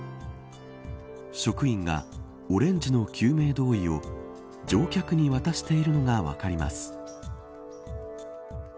職員がオレンジの救命胴衣を乗客に渡しているのが分かります。